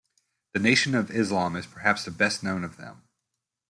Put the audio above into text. The Nation of Islam is perhaps the best-known of them.